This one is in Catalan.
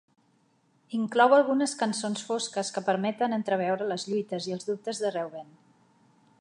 Inclou algunes cançons fosques que permeten entreveure les lluites i els dubtes de Reuben.